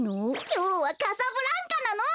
きょうはカサブランカなの！